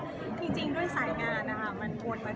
แล้วก็จริงด้วยสายงานนะครับมันวนมาเจอกันยาก